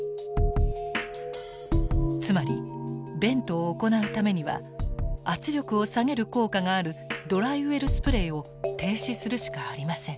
つまりベントを行うためには圧力を下げる効果があるドライウェルスプレイを停止するしかありません。